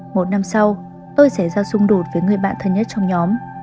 một năm sau tôi sẽ ra xung đột với người bạn thân nhất trong nhóm